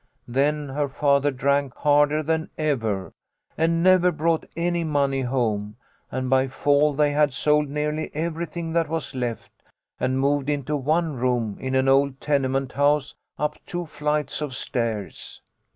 Then her father drank harder than ever, and never brought any money home, and by fall they had sold nearly everything that was left, and moved into one room in an old tenement house, up two flights of stairs.